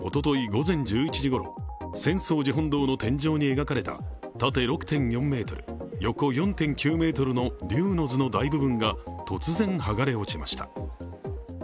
午前１１時ごろ、浅草寺本堂の天井に描かれた縦６．４ｍ、横４．９ｍの「龍之図」の大部分が、突然剥がれ落ちました。